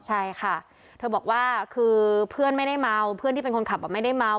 ใช่ค่ะเธอบอกว่าคือเพื่อนไม่ได้เมาเพื่อนที่เป็นคนขับไม่ได้เมา